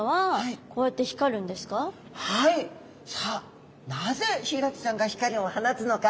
さあなぜヒイラギちゃんが光を放つのか。